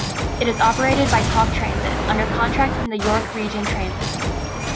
It is operated by Tok Transit, under contract from the York Region Transit.